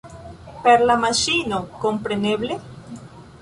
Per la maŝino, kompreneble?